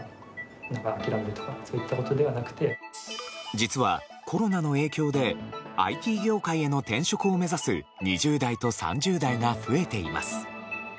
実は、コロナの影響でＩＴ業界への転職を目指す２０代と３０代が増えています。